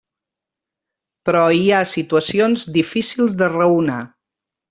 Però hi ha situacions difícils de raonar.